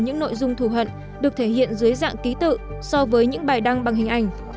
những nội dung thù hận được thể hiện dưới dạng ký tự so với những bài đăng bằng hình ảnh